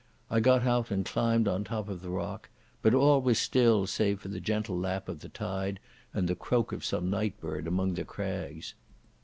I got out and climbed on the top of the rock, but all was still save for the gentle lap of the tide and the croak of some night bird among the crags.